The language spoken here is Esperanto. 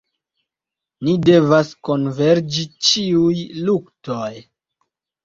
Ni devas konverĝi ĉiuj luktoj.